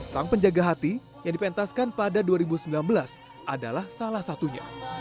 sang penjaga hati yang dipentaskan pada dua ribu sembilan belas adalah salah satunya